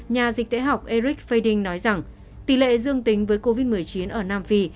nhà dịch tễ học eric fading nói rằng tỷ lệ dương tính với covid một mươi chín ở nam phi